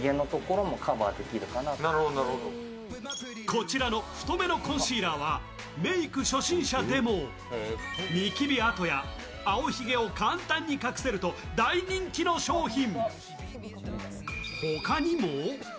こちらの太めのコンシーラーはメイク初心者でもにきび跡や青ひげを簡単に隠せる大人気の商品。